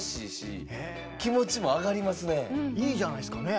いいじゃないですかね。